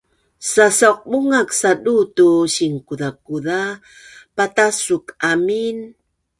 sasauqbungak saduu tu sinkuzakuza patasuk amin